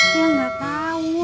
ya gak tau